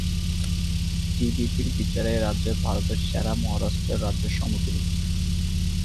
GDP বিচারে এই রাজ্য ভারতের সেরা মহারাষ্ট্রের রাজ্যের সমতুল্য।